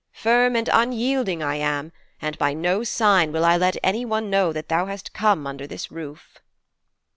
Firm and unyielding I am, and by no sign will I let anyone know that thou hast come under this roof.'